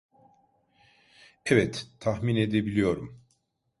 Evet, tahmin edebiliyorum.